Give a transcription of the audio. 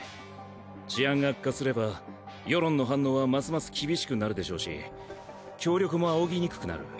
治安が悪化すれば世論の反応はますます厳しくなるでしょうし協力もあおぎにくくなる。